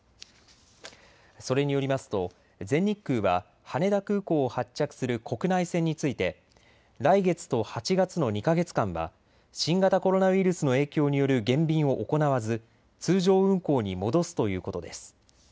それによりますと全日空は羽田空港を発着する国内線について来月と８月の２か月間は新型コロナウイルスの影響による減便を行わず通常運航に戻すということです。